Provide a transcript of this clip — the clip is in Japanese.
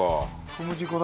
小麦粉だ。